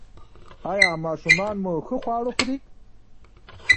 ایا ماشومان مو ښه خواړه خوري؟